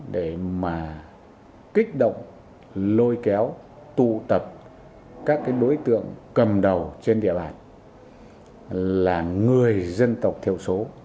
để mà kích động lôi kéo tụ tập các đối tượng cầm đầu trên địa bàn là người dân tộc thiểu số